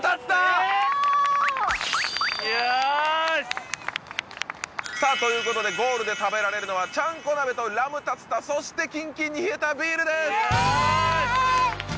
ええおおさあということでゴールで食べられるのはちゃんこ鍋とラム竜田そしてキンキンに冷えたビールですイエーイ！